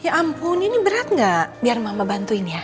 ya ampun ini berat nggak biar mama bantuin ya